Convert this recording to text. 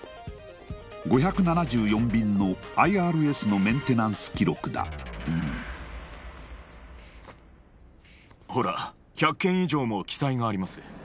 ５７４便のＩＲＳのメンテナンス記録だほら１００件以上も記載があります